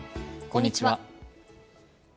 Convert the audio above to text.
こんにちは。